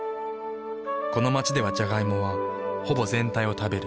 この街ではジャガイモはほぼ全体を食べる。